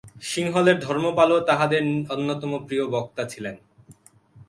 সিংহলের ধর্মপালও তাহাদের অন্যতম প্রিয় বক্তা ছিলেন।